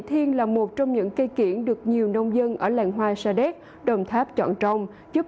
thiên là một trong những cây kiển được nhiều nông dân ở làng hoa sa đéc đồng tháp chọn trồng giúp